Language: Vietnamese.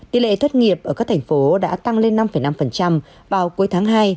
tỷ lệ thất nghiệp ở các thành phố đã tăng lên năm năm vào cuối tháng hai